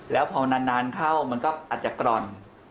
แล้วพอนานเข้ามันก็อาจจะกร่อน